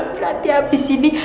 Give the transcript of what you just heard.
berarti abis ini